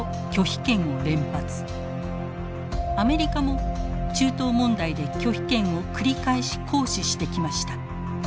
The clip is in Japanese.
アメリカも中東問題で拒否権を繰り返し行使してきました。